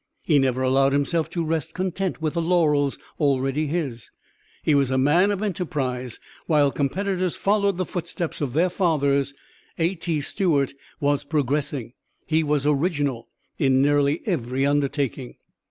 He never allowed himself to rest content with the laurels already his. He was a man of enterprise; while competitors followed the footsteps of their fathers, A. T. Stewart was progressing he was original in nearly every undertaking.